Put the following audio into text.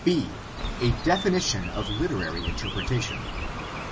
h) A definition of literary interpretation.